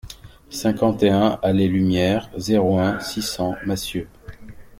cinquante et un allée Lumière, zéro un, six cents Massieux